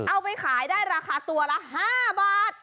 เอาไปขายได้ราคาตัวละ๕บาท